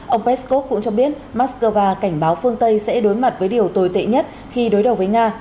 ông peskov cũng cho biết mắc cơ va cảnh báo phương tây sẽ đối mặt với điều tồi tệ nhất khi đối đầu với nga